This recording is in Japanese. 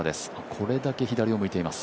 これだけ左を向いています。